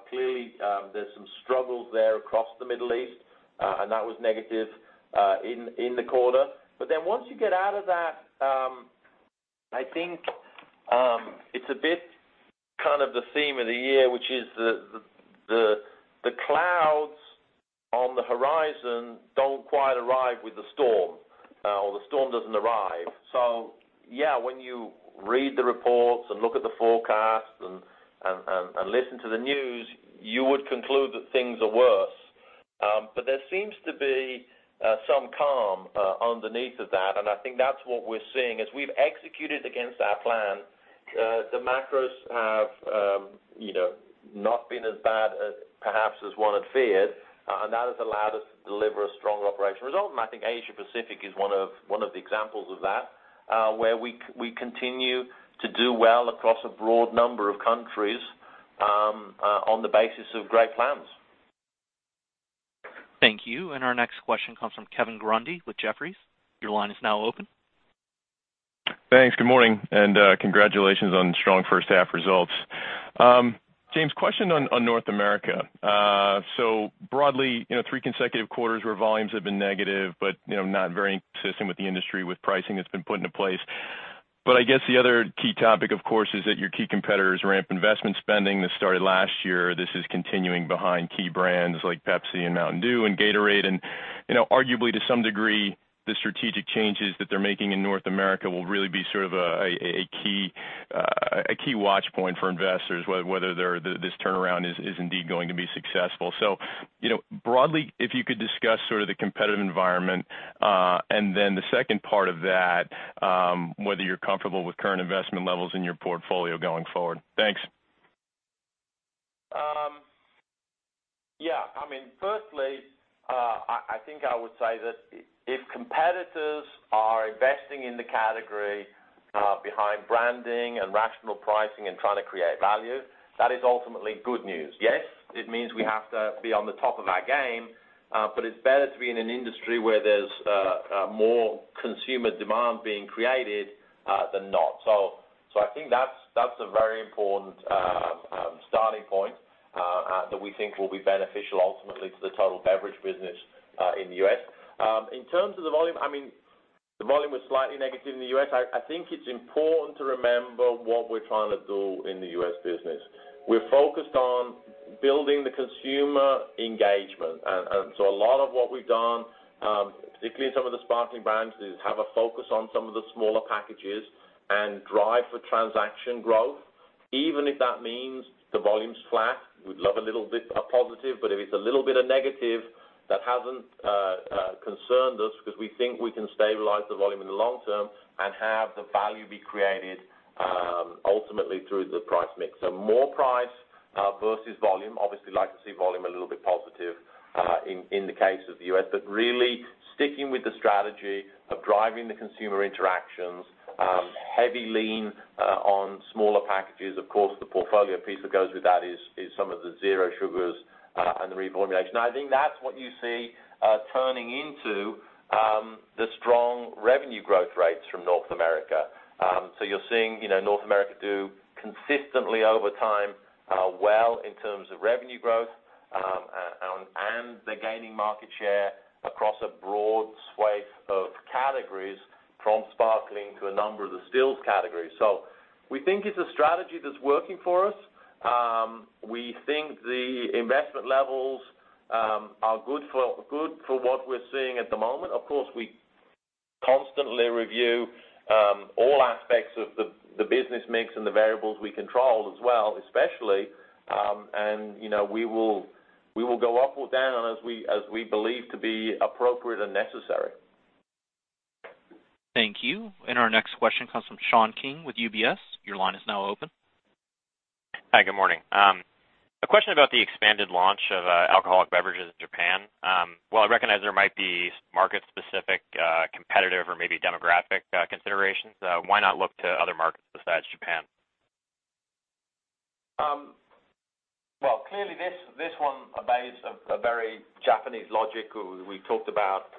Clearly, there's some struggles there across the Middle East, and that was negative in the quarter. Once you get out of that, I think it's a bit kind of the theme of the year, which is the clouds on the horizon don't quite arrive with the storm, or the storm doesn't arrive. Yeah, when you read the reports and look at the forecast and listen to the news, you would conclude that things are worse. There seems to be some calm underneath of that, and I think that's what we're seeing. As we've executed against our plan, the macros have not been as bad as perhaps as one had feared, and that has allowed us to deliver a stronger operational result. I think Asia-Pacific is one of the examples of that, where we continue to do well across a broad number of countries on the basis of great plans. Thank you. Our next question comes from Kevin Grundy with Jefferies. Your line is now open. Thanks. Good morning, and congratulations on strong first half results. James, question on North America. Broadly, three consecutive quarters where volumes have been negative, but not very consistent with the industry with pricing that's been put into place. I guess the other key topic, of course, is that your key competitors ramp investment spending that started last year. This is continuing behind key brands like Pepsi and Mountain Dew and Gatorade, and arguably to some degree, the strategic changes that they're making in North America will really be sort of a key watch point for investors, whether this turnaround is indeed going to be successful. Broadly, if you could discuss the competitive environment, and then the second part of that, whether you're comfortable with current investment levels in your portfolio going forward. Thanks. Yeah. Firstly, I think I would say that if competitors are investing in the category behind branding and rational pricing and trying to create value, that is ultimately good news. Yes, it means we have to be on the top of our game, but it's better to be in an industry where there's more consumer demand being created, than not. I think that's a very important starting point that we think will be beneficial ultimately to the total beverage business in the U.S. In terms of the volume, the volume was slightly negative in the U.S. I think it's important to remember what we're trying to do in the U.S. business. We're focused on building the consumer engagement. A lot of what we've done, particularly in some of the sparkling brands, is have a focus on some of the smaller packages and drive for transaction growth, even if that means the volume's flat. We'd love a little bit of positive, but if it's a little bit of negative, that hasn't concerned us because we think we can stabilize the volume in the long term and have the value be created, ultimately, through the price/mix. More price versus volume. Obviously, like to see volume a little bit positive, in the case of the U.S., but really sticking with the strategy of driving the consumer interactions, heavy lean on smaller packages, of course, the portfolio piece that goes with that is some of the Zero Sugars and the reformulation. I think that's what you see turning into the strong revenue growth rates from North America. You're seeing North America do consistently over time, well in terms of revenue growth, and they're gaining market share across a broad swathe of categories from sparkling to a number of the stills categories. We think it's a strategy that's working for us. We think the investment levels are good for what we're seeing at the moment. Of course, we constantly review all aspects of the business mix and the variables we control as well, especially, and we will go up or down as we believe to be appropriate and necessary. Thank you. Our next question comes from Sean King with UBS. Your line is now open. Hi, good morning. A question about the expanded launch of alcoholic beverages in Japan. While I recognize there might be market-specific, competitive, or maybe demographic considerations, why not look to other markets besides Japan? Well, clearly this one obeys a very Japanese logic. We talked about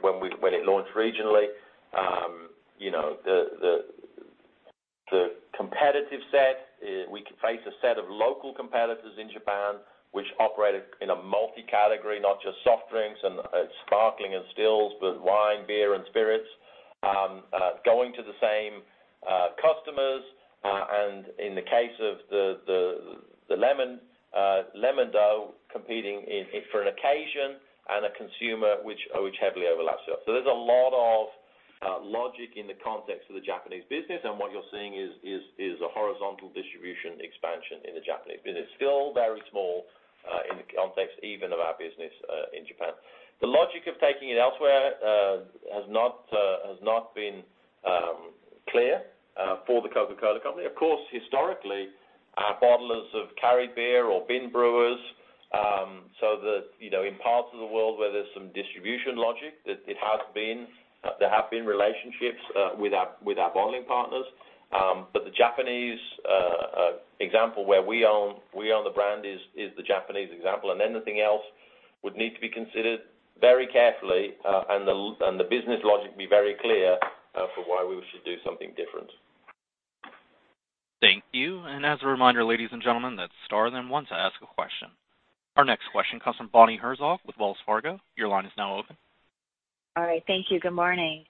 when it launched regionally. The competitive set, we could face a set of local competitors in Japan which operated in a multi-category, not just soft drinks and sparkling and stills, but wine, beer, and spirits, going to the same customers. In the case of the Lemon-Dou competing for an occasion and a consumer, which heavily overlaps us. There's a lot of logic in the context of the Japanese business, and what you're seeing is a horizontal distribution expansion in the Japanese business. Still very small in the context even of our business in Japan. The logic of taking it elsewhere has not been clear for The Coca-Cola Company. Of course, historically, our bottlers have carried beer or been brewers, so that in parts of the world where there's some distribution logic, there have been relationships with our bottling partners. The Japanese example where we own the brand is the Japanese example, and anything else would need to be considered very carefully, and the business logic be very clear for why we should do something different. Thank you. As a reminder, ladies and gentlemen, that's star then one to ask a question. Our next question comes from Bonnie Herzog with Wells Fargo. Your line is now open. All right. Thank you. Good morning.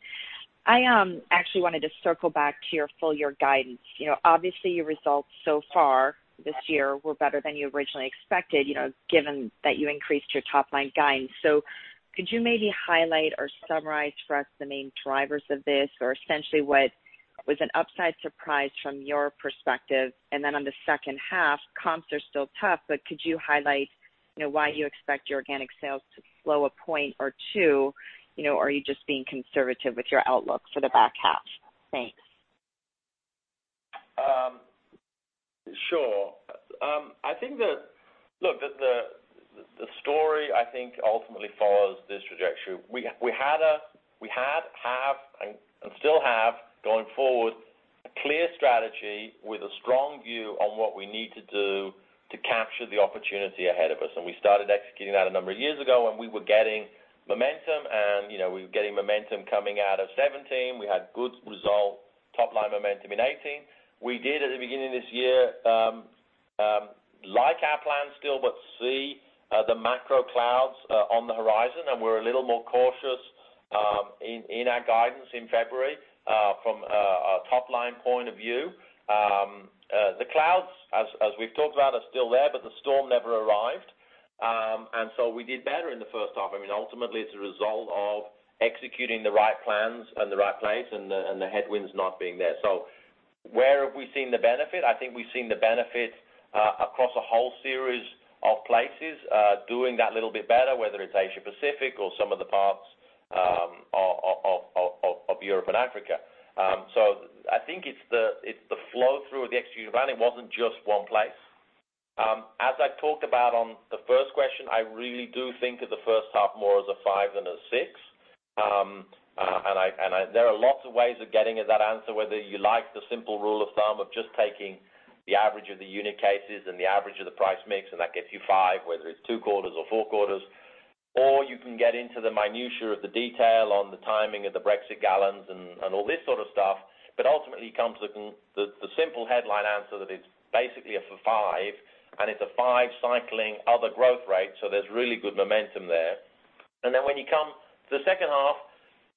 I actually wanted to circle back to your full year guidance. Obviously, your results so far this year were better than you originally expected, given that you increased your top-line guidance. Could you maybe highlight or summarize for us the main drivers of this, or essentially what was an upside surprise from your perspective? On the second half, comps are still tough, but could you highlight why you expect your organic sales to slow a point or two? Or are you just being conservative with your outlook for the back half? Thanks. Sure. Look, the story I think ultimately follows this trajectory. We had, have, and still have going forward. Clear strategy with a strong view on what we need to do to capture the opportunity ahead of us. We started executing that a number of years ago, and we were getting momentum coming out of 2017. We had good result, top-line momentum in 2018. We did at the beginning of this year, like our plan still, but see the macro clouds on the horizon, and we're a little more cautious in our guidance in February from a top-line point of view. The clouds, as we've talked about, are still there, but the storm never arrived. We did better in the first half. Ultimately, it's a result of executing the right plans in the right place and the headwinds not being there. Where have we seen the benefit? I think we've seen the benefit across a whole series of places, doing that little bit better, whether it's Asia-Pacific or some of the parts of Europe and Africa. I think it's the flow through of the execution. It wasn't just one place. As I talked about on the first question, I really do think of the first half more as a 5% than a 6%. There are lots of ways of getting at that answer, whether you like the simple rule of thumb of just taking the average of the unit cases and the average of the price mix, and that gets you 5%, whether it's two quarters or four quarters, or you can get into the minutiae of the detail on the timing of the Brexit gallons and all this sort of stuff. Ultimately, it comes to the simple headline answer that it's basically a five, and it's a five cycling other growth rate, so there's really good momentum there. When you come to the second half,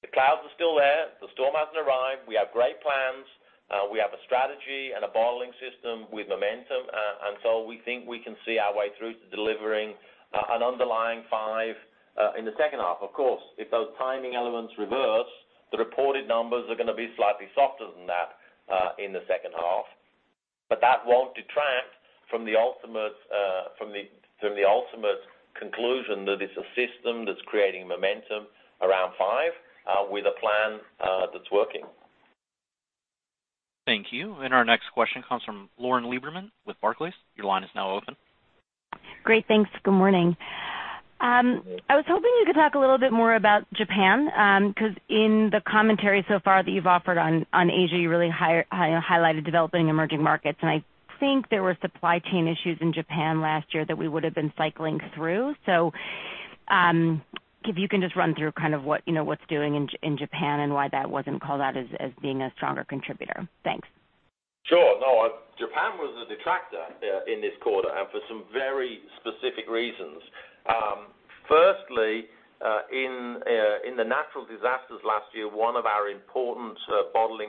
the clouds are still there. The storm hasn't arrived. We have great plans. We have a strategy and a bottling system with momentum, and so we think we can see our way through to delivering an underlying five in the second half. Of course, if those timing elements reverse, the reported numbers are going to be slightly softer than that in the second half. That won't detract from the ultimate conclusion that it's a system that's creating momentum around five with a plan that's working. Thank you. Our next question comes from Lauren Lieberman with Barclays. Your line is now open. Great. Thanks. Good morning. Good morning. I was hoping you could talk a little bit more about Japan, because in the commentary so far that you've offered on Asia, you really highlighted developing emerging markets. I think there were supply chain issues in Japan last year that we would have been cycling through. If you can just run through what's doing in Japan and why that wasn't called out as being a stronger contributor. Thanks. Sure. Japan was a detractor in this quarter, and for some very specific reasons. Firstly, in the natural disasters last year, one of the important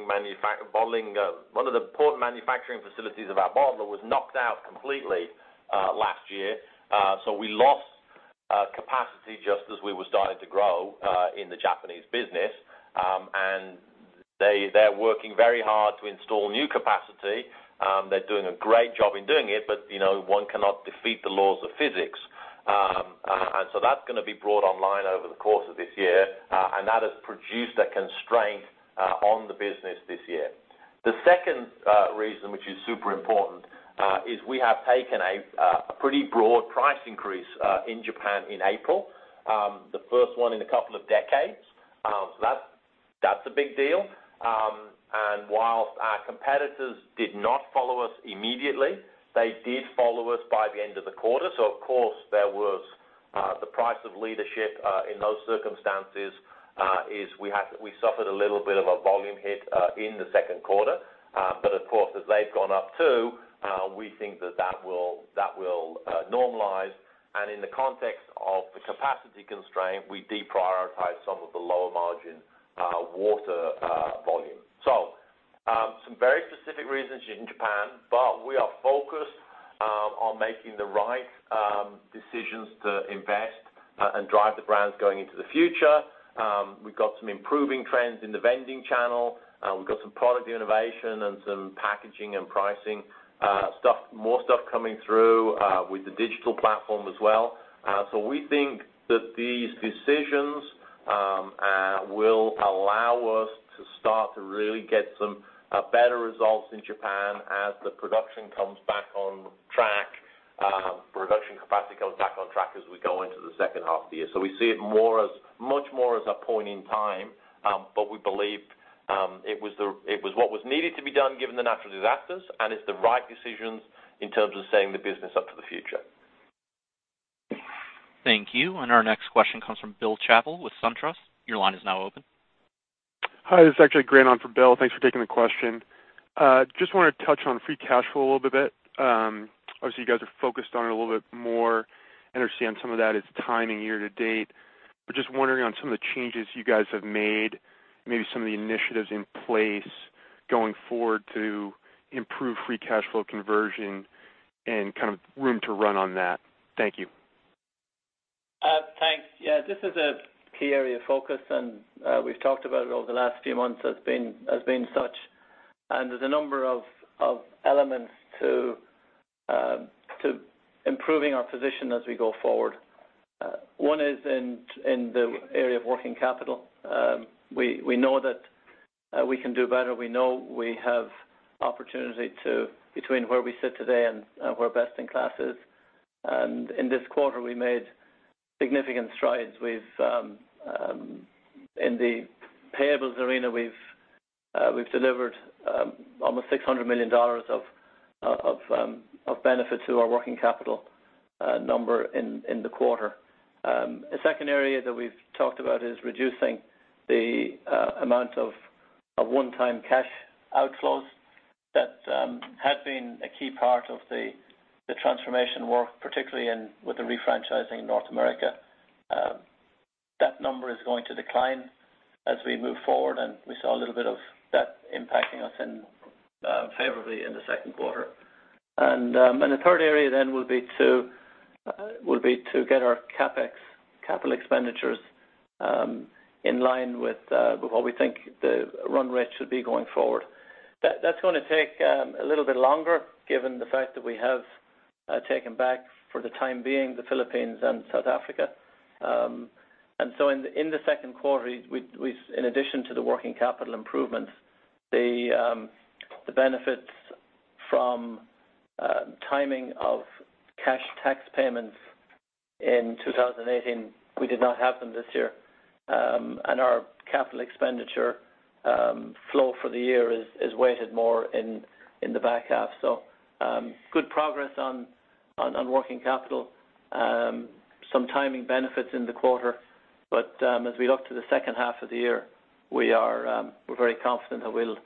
manufacturing facilities of our bottler was knocked out completely last year. We lost capacity just as we were starting to grow in the Japanese business, and they're working very hard to install new capacity. They're doing a great job in doing it, but one cannot defeat the laws of physics. That's going to be brought online over the course of this year, and that has produced a constraint on the business this year. The second reason, which is super important, is we have taken a pretty broad price increase in Japan in April, the first one in a couple of decades. That's a big deal. Whilst our competitors did not follow us immediately, they did follow us by the end of the quarter. Of course, there was the price of leadership in those circumstances, is we suffered a little bit of a volume hit in the second quarter. Of course, as they've gone up, too, we think that that will normalize. In the context of the capacity constraint, we deprioritized some of the lower margin water volume. Some very specific reasons in Japan, but we are focused on making the right decisions to invest and drive the brands going into the future. We've got some improving trends in the vending channel. We've got some product innovation and some packaging and pricing stuff, more stuff coming through with the digital platform as well. We think that these decisions will allow us to start to really get some better results in Japan as the production comes back on track, production capacity comes back on track as we go into the second half of the year. We see it much more as a point in time, but we believe it was what was needed to be done given the natural disasters, and it's the right decisions in terms of setting the business up for the future. Thank you. Our next question comes from Bill Chappell with SunTrust. Your line is now open. Hi, this is actually Grant on for Bill. Thanks for taking the question. Want to touch on free cash flow a little bit. Obviously, you guys are focused on it a little bit more. I understand some of that is timing year-to-date. Just wondering on some of the changes you guys have made, maybe some of the initiatives in place going forward to improve free cash flow conversion and room to run on that. Thank you. Thanks. Yeah, this is a key area of focus, and we've talked about it over the last few months as being such. There's a number of elements to improving our position as we go forward. One is in the area of working capital. We know that we can do better. We know we have opportunity to, between where we sit today and where best in class is. In this quarter, we made significant strides. In the payables arena, we've delivered almost $600 million of benefit to our working capital number in the quarter. A second area that we've talked about is reducing the amount of one-time cash outflows that had been a key part of the transformation work, particularly with the refranchising North America. That number is going to decline as we move forward, and we saw a little bit of that impacting us favorably in the second quarter. The third area then will be to get our CapEx, capital expenditures, in line with what we think the run rate should be going forward. That's going to take a little bit longer, given the fact that we have taken back, for the time being, the Philippines and South Africa. In the second quarter, in addition to the working capital improvements, the benefits from timing of cash tax payments in 2018, we did not have them this year. Our capital expenditure flow for the year is weighted more in the back half. Good progress on working capital. Some timing benefits in the quarter. As we look to the second half of the year, we're very confident that we'll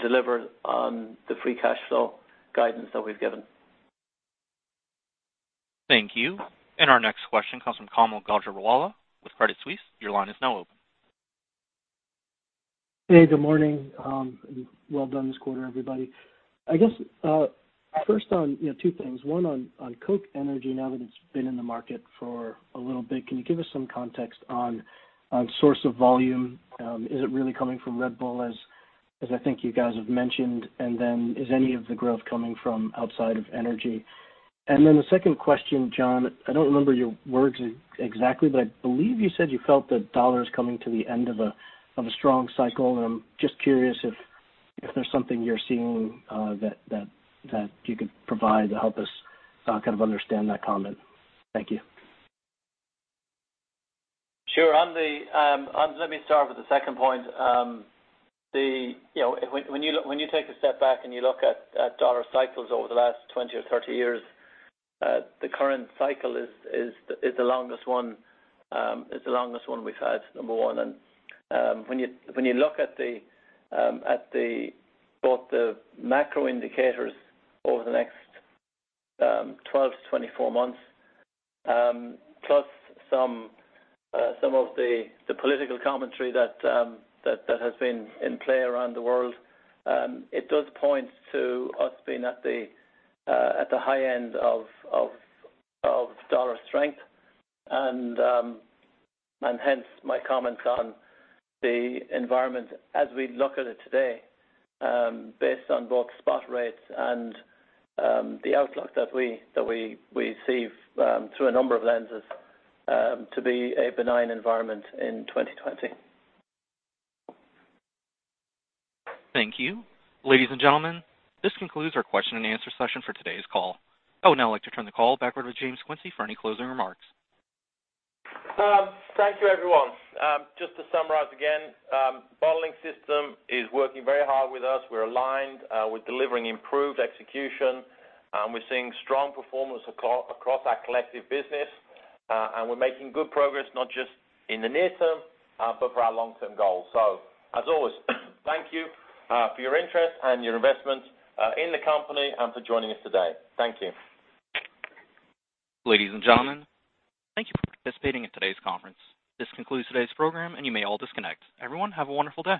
deliver on the free cash flow guidance that we've given. Thank you. Our next question comes from Kaumil Gajrawala with Credit Suisse. Your line is now open. Hey, good morning. Well done this quarter, everybody. I guess first on two things. One on Coke Energy, now that it's been in the market for a little bit, can you give us some context on source of volume? Is it really coming from Red Bull, as I think you guys have mentioned, is any of the growth coming from outside of energy? The second question, John, I don't remember your words exactly, but I believe you said you felt the dollar is coming to the end of a strong cycle, and I'm just curious if there's something you're seeing that you could provide to help us kind of understand that comment. Thank you. Sure. Let me start with the second point. When you take a step back and you look at dollar cycles over the last 20 or 30 years, the current cycle is the longest one we've had, number one. When you look at both the macro indicators over the next 12-24 months, plus some of the political commentary that has been in play around the world, it does point to us being at the high end of dollar strength. Hence my comments on the environment as we look at it today, based on both spot rates and the outlook that we see through a number of lenses to be a benign environment in 2020. Thank you. Ladies and gentlemen, this concludes our question-and-answer session for today's call. I would now like to turn the call back over to James Quincey for any closing remarks. Thank you, everyone. Just to summarize again, the bottling system is working very hard with us. We're aligned. We're delivering improved execution. We're seeing strong performance across our collective business. We're making good progress, not just in the near term, but for our long-term goals. As always, thank you for your interest and your investment in the company and for joining us today. Thank you. Ladies and gentlemen, thank you for participating in today's conference. This concludes today's program, and you may all disconnect. Everyone, have a wonderful day.